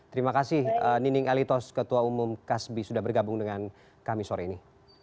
terima kasih nining elitos ketua umum kasbi sudah bergabung dengan kami sore ini